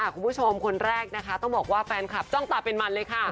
คนคนแรกนะคะต้องบอกว่าแฟนคลับจ้องตาเป็นมันเลยค่ะ